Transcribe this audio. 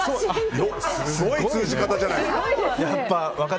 すごい通じ方じゃないですか。